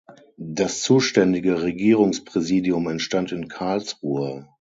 Das zuständige Regierungspräsidium entstand in Karlsruhe.